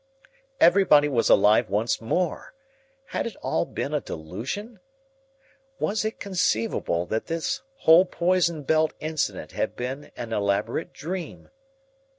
Everybody was alive once more! Had it all been a delusion? Was it conceivable that this whole poison belt incident had been an elaborate dream?